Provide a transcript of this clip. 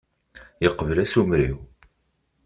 Yeqbel asumer-iw.